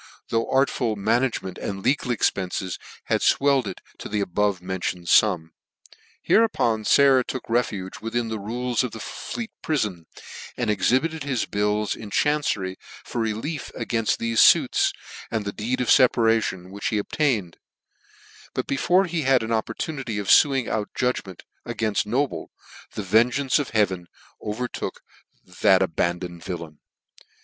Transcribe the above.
though artful management and legal expences had fwelled it to the the above mentioned fum. Hereupon Sayer took refuge within the rules of the Fleet Prifon, and exhibited his bill in chancery for relief againft thefe fuirs, and the deed of feparation, which he obtained ; but be fore he had an opportunity of luing out judg ment againft Noble, the vengeance of heaven overtook that abandoned villain.